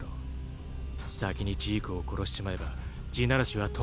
先にジークを殺しちまえば「地鳴らし」は止まるんじゃないのか？